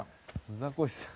ザコシさん。